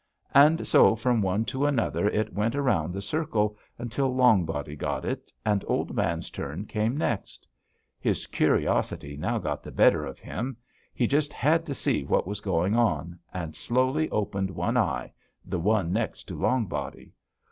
And so from one to another it went around the circle until Long Body got it, and Old Man's turn came next. His curiosity now got the better of him: he just had to see what was going on, and slowly opened one eye, the one next to Long Body.